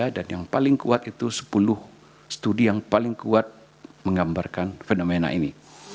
dan yang paling kuat itu sepuluh studi yang paling kuat menggambarkan fenomena ini